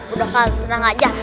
udah pak tenang aja